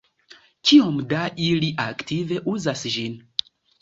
Kiom da ili aktive uzas ĝin?